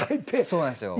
そうなんですよ。